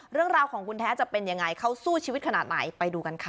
เรื่องราวของคุณแท้จะเป็นยังไงเขาสู้ชีวิตขนาดไหนไปดูกันค่ะ